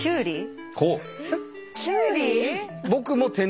きゅうり？